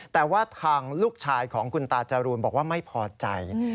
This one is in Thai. แต่ว่าทางลูกชายของคุณตาจรูนบอกว่าไม่พอใจ